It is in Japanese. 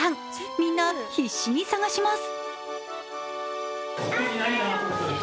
みんな必死に探します。